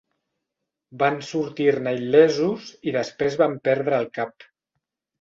Van sortir-ne il·lesos i després van perdre el cap.